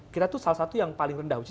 kita tuh salah satu yang paling rendah